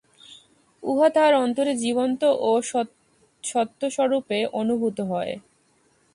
উহা তাঁহার অন্তরে জীবন্ত ও সত্যস্বরূপে অনুভূত হয়।